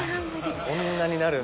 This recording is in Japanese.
そんなになるんですね。